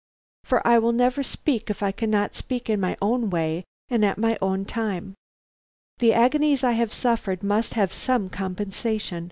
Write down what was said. For I will never speak if I cannot speak in my own way and at my own time. The agonies I have suffered must have some compensation.